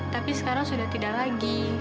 tapi sekarang sudah tidak lagi